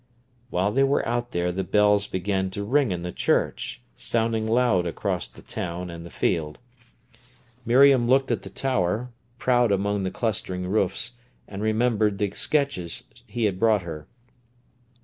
While they were out there the bells began to ring in the church, sounding loud across the town and the field. Miriam looked at the tower, proud among the clustering roofs, and remembered the sketches he had brought her.